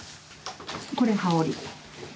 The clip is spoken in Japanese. これ羽織。